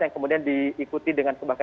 yang kemudian diikuti dengan